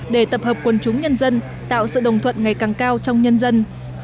để tập hợp quân chúng nhân dân tạo sự đồng thuận ngày càng cao trong nhân dân